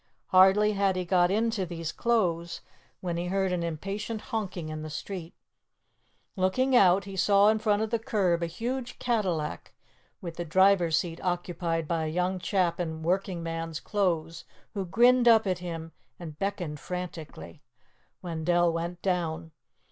Hardly had he got into these clothes, when he heard an impatient honking in the street. Looking out, he saw in front of the curb a huge Cadillac with the driver's seat occupied by a young chap in workingman's clothes who grinned up at him and beckoned frantically. Wendell went down.